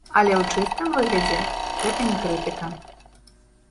Але ў чыстым выглядзе гэта не крытыка.